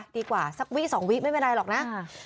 ดีกว่าสักวิสองวิไม่เป็นไรหรอกนะ